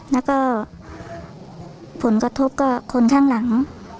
แล้วก็ผลกระทบกับคนข้างหลัง